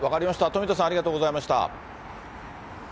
富田さん、ありがとうございました。